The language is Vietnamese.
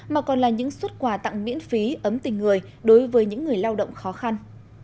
mà còn là những xuất quà tặng miễn phí ấm tình người đối với những người lao động khó khăn